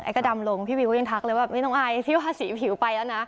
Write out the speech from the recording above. ก็ดำลงพี่วิวก็ยังทักเลยว่าไม่ต้องอายพี่ว่าสีผิวไปแล้วนะ